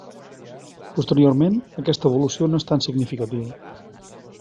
Posteriorment, aquesta evolució no és tan significativa.